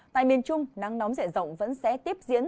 tại miền trung nắng nóng dễ dọng vẫn sẽ tiếp diễn